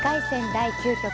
第９局。